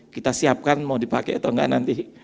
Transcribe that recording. kita siapkan mau dipakai atau enggak nanti